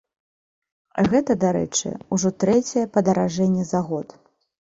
Гэта, дарэчы, ужо трэцяе падаражэнне за год.